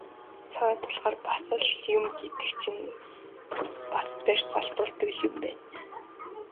Цагаа тулахаар бас юм гэдэг чинь бас барьц алдуулдаг л юм байна.